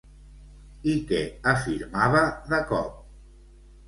I què afirmava, de cop?